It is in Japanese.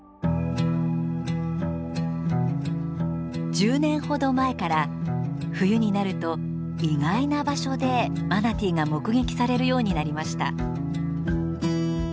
１０年ほど前から冬になると意外な場所でマナティーが目撃されるようになりました。